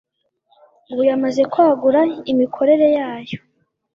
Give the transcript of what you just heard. ubu yamaze kwagura imikorere yayo